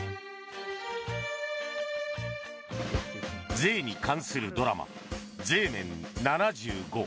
税に関するドラマ「税メン７５」。